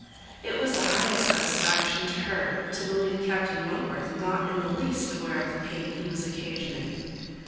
It was the highest satisfaction to her to believe Captain Wentworth not in the least aware of the pain he was occasioning.